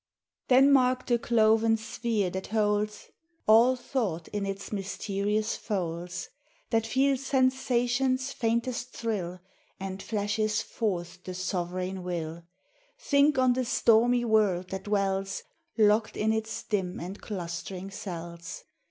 Then mark the cloven sphere that holds All thought in its mysterious folds, That feels sensation's faintest thrill, And flashes forth the sovereign will; Think on the stormy world that dwells Locked in its dim and clustering cells!